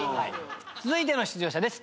続いての出場者です。